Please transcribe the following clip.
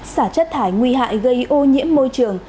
xả chất thải nguy hại gây ô nhiễm môi trường